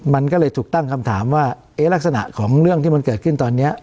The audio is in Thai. มันก็เลยถูกตั้งคำถามว่าเอ๊ะลักษณะของเรื่องที่มันเกิดขึ้นตอนนี้